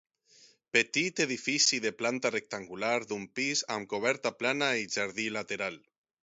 Petit edifici de planta rectangular, d'un pis, amb coberta plana i jardí lateral.